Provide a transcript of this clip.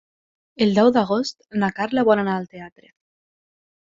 El deu d'agost na Carla vol anar al teatre.